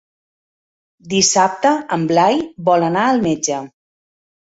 Dissabte en Blai vol anar al metge.